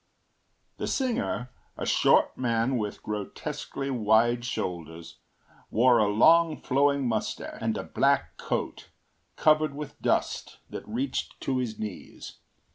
” The singer, a short man with grotesquely wide shoulders, wore a long flowing moustache, and a black coat, covered with dust, that reached to his knees.